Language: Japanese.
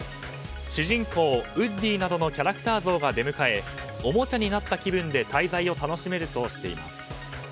主人公ウッディなどのキャラクター像などが出迎えおもちゃになった気分で滞在を楽しめるとしています。